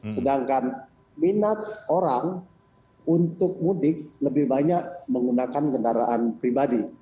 sedangkan minat orang untuk mudik lebih banyak menggunakan kendaraan pribadi